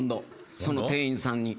その店員さんに。